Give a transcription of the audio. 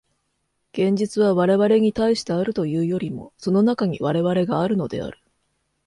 現実は我々に対してあるというよりも、その中に我々があるのである。